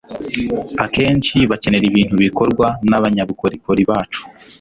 Akenshi bakenera ibintu bikorwa n'abanyabukorikori bacu,